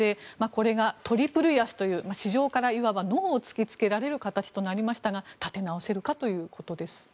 これがトリプル安という市場からノーを突きつけられる形となりましたが立て直せるかということです。